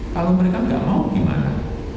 kalau mereka nggak mau gimana